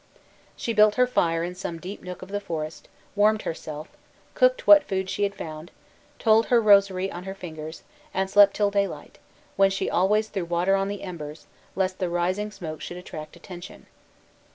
She built her fire in some deep nook of the forest, warmed herself, cooked what food she had found, told her rosary on her fingers, and slept till daylight, when she always threw water on the embers, lest the rising smoke should attract attention.